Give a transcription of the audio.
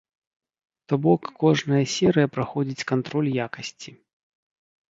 То бок кожная серыя праходзіць кантроль якасці.